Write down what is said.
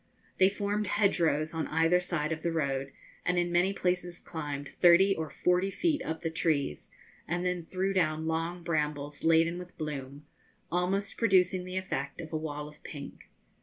They formed hedgerows on either side of the road, and in many places climbed thirty or forty feet up the trees, and then threw down long brambles laden with bloom, almost producing the effect of a wall of pink.